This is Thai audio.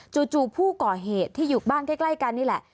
จู่ผู้ก่อเหตุที่อยู่บ้านใกล้กันนี่แหละ